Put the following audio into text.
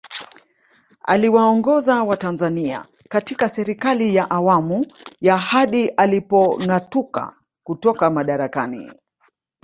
Aliwaongoza watanzania katika Serikali ya Awamu ya hadi alipongatuka kutoka madarakani